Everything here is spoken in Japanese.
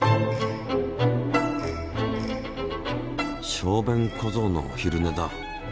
小便小僧のお昼寝だ。